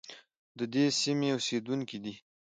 د دې سیمې اوسیدونکي دي.